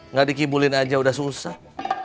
nggak dikibulin aja udah susah